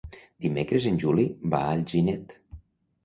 Dimecres en Juli va a Alginet.